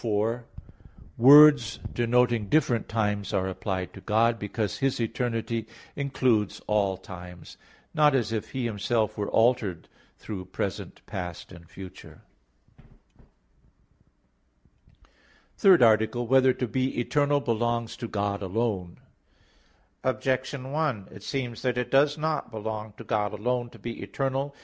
4: Words denoting different times are applied to God, because His eternity includes all times; not as if He Himself were altered through present, past and future. _______________________ THIRD ARTICLE [I, Q. 10, Art. 3] Whether to Be Eternal Belongs to God Alone? Objection 1: It seems that it does not belong to God alone to be eternal.